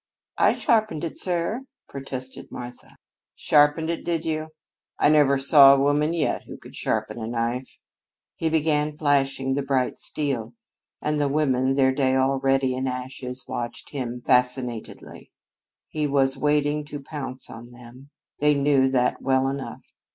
"I sharpened it, sir," protested Martha. "Sharpened it, did you? I never saw a woman yet who could sharpen a knife." He began flashing the bright steel, and the women, their day already in ashes, watched him fascinatedly. He was waiting to pounce on them. They knew that well enough.